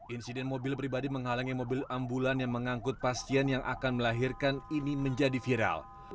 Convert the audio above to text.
insiden mobil pribadi menghalangi mobil ambulan yang mengangkut pasien yang akan melahirkan ini menjadi viral